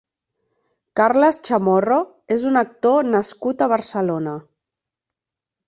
Carles Chamarro és un actor nascut a Barcelona.